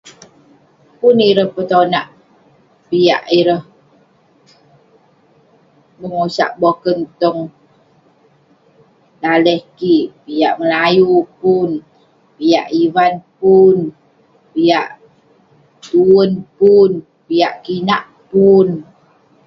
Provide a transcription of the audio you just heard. Pun ireh petonak piak ireh bengosak boken tong..daleh kik, piak melayu pun, piak ivan pun, piak.. tuern pun..piak kinak pun..